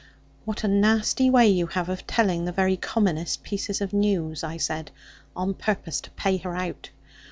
'What a nasty way you have of telling the very commonest piece of news!' I said, on purpose to pay her out.